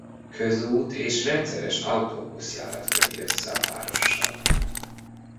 Közút és rendszeres autóbuszjárat köti össze a várossal.